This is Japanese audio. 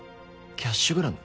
キャッシュグラム？